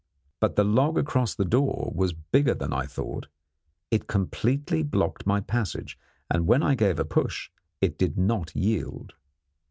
But the log across the door was bigger than I thought; it completely blocked my passage, and when I gave it a push it did not yield.